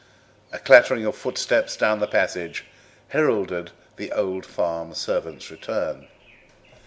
A clattering of footsteps down the passage heralded the old farm servant's return.